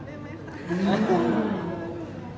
หนูไม่รู้แล้ว